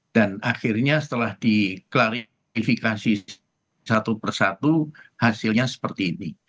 dan akhirnya setelah diklarifikasi satu persatu hasilnya seperti ini